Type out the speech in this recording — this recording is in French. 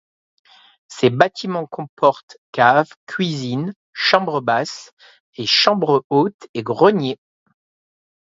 Ces bâtiments comportent, cave, cuisine, chambres basses et chambres hautes et grenier.